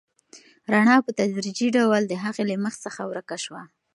رڼا په تدریجي ډول د هغې له مخ څخه ورکه شوه.